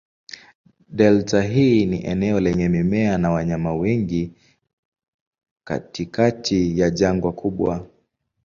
Delta hii ni eneo lenye mimea na wanyama wengi katikati ya jangwa kubwa.